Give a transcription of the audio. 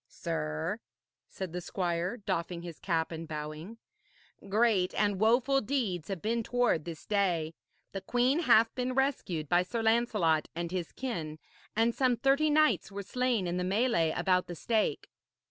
'Sir,' said the squire, doffing his cap and bowing, 'great and woful deeds have been toward this day. The queen hath been rescued by Sir Lancelot and his kin, and some thirty knights were slain in the melée about the stake.'